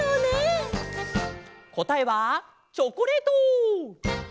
こたえはチョコレート！